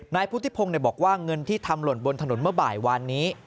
นายพุทธิพงศ์บอกว่าเงินที่ทำหล่นบนถนนเมื่อบ่ายวานนี้